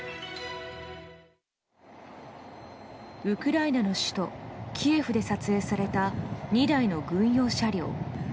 ウクライナの首都キエフで撮影された２台の軍用車両。